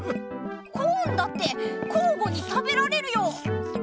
コーンだってこうごに食べられるよ！